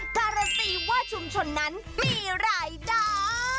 การันตีว่าชุมชนนั้นมีรายได้